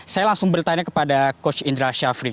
saya langsung bertanya kepada coach indra syafri